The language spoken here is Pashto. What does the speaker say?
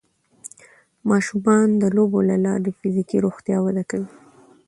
ماشومان د لوبو له لارې د فزیکي روغتیا وده کوي.